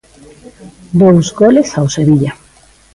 Dous goles ao Sevilla.